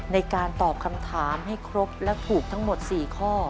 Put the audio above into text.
ในการตอบคำถามให้ครบและถูกทั้งหมด๔ข้อ